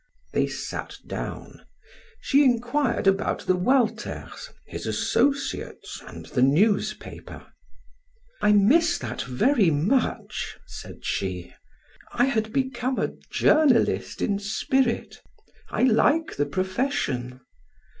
They sat down; she inquired about the Walters, his associates, and the newspaper. "I miss that very much," said she. "I had become a journalist in spirit. I like the profession."